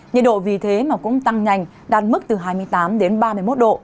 nhiệt độ vì thế mà cũng tăng nhanh đạt mức từ hai mươi tám đến ba mươi một độ